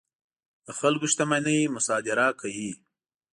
د خلکو شتمنۍ مصادره کوي.